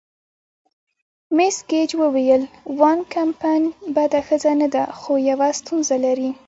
مس ګیج وویل: وان کمپن بده ښځه نه ده، خو یوه ستونزه لري.